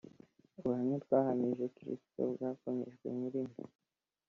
ubuhamya twahamije Kristo bwakomejwe muri mwe;